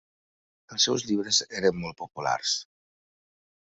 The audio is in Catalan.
Els seus llibres eren molt populars.